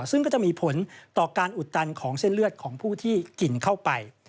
ซึ่งก็จะมีผลต่อการอุดตันของเส้นเลือดของผู้ที่กินเข้าไป